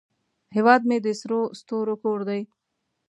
هیواد مې د سرو ستورو کور دی